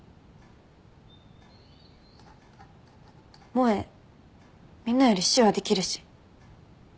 萌みんなより手話できるし。